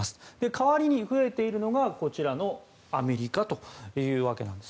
代わりに増えているのがアメリカというわけです。